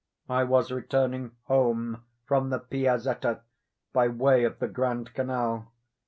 I was returning home from the Piazetta, by way of the Grand Canal.